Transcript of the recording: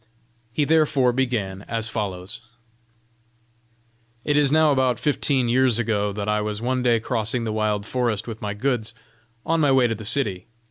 He therefore began as follows: "It is now about fifteen years ago that I was one day crossing the wild forest with my goods, on my way to the city.